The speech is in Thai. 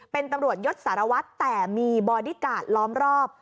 เป็นตำรวจยศสารวัตรแต่มีบอดี้การ์ดล้อมรอบ